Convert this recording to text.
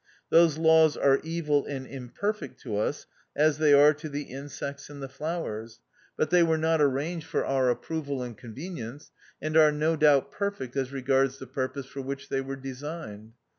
Those laws are evil and imperfect to us as they are to the insects and the flowers, but they were THE OUTCAST. 245 not arranged for our approval and conveni ence, and are no doubt perfect as regards the purpose for which they were designed.